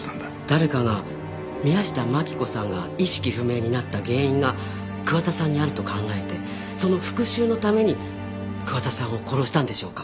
誰かが宮下真紀子さんが意識不明になった原因が桑田さんにあると考えてその復讐のために桑田さんを殺したんでしょうか？